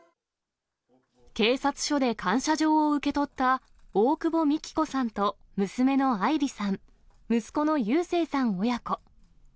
警察署で感謝状を受け取った、大窪美紀子さんと娘の愛莉さん、息子の優誠さん親子。